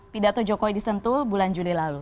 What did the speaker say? pidato jokowi di sentul bulan juli lalu